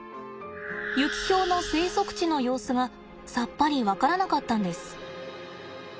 ユキヒョウの生息地の様子がさっぱりわからなかったんです！